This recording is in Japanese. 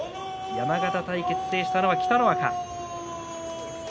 山形対決を制したのは北の若。